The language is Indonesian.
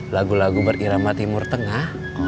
lagu lagu berirama timur tengah